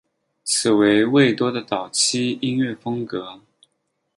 此为魏多的早期音乐风格。